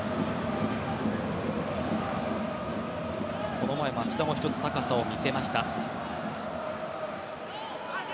今の前町田も１つ高さを見せました。